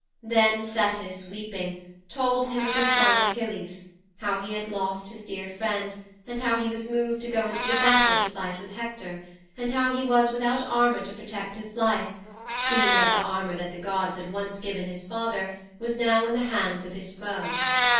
'Then Thetis, weeping, told him of her son Achilles, how he had lost his dear friend and how he was moved to go into the battle to fight with Hector, and how he was without armour to protect his life, seeing that the armour that the gods had once given his father was now in the hands of his foe.